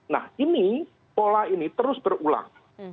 nah ini pola ini terus berulang